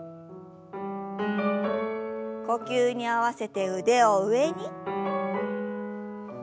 呼吸に合わせて腕を上に。